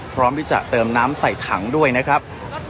พร้อมที่จะเติมน้ำใส่ถังด้วยนะครับ